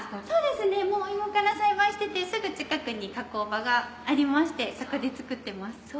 そうですねお芋から栽培しててすぐ近くに加工場がありましてそこで作ってます。